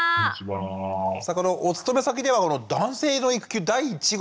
お勤め先では男性の育休第１号。